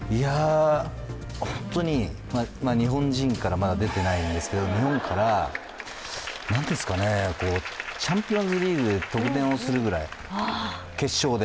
本当に日本人からまだ出ていないんですけれども、日本からチャンピオンズリーグで得点をするぐらい、決勝で。